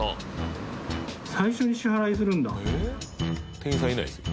店員さんいないですよ。